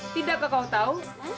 tidakkah kau tahu